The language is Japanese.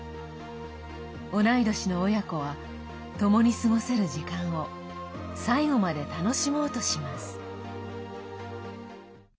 同い年の親子はともに過ごせる時間を最後まで楽しもうとします。